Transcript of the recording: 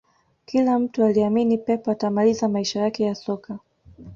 Kila mtu aliamini pep atamaliza maisha yake ya soka